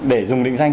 để dùng định danh